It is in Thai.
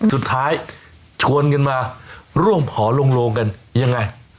สุดท้ายชวนเงินมาร่วมพรรณส์โล่งกันยังไง